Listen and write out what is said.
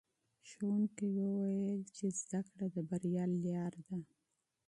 ښوونکي وویل چې تعلیم د بریا لاره ده.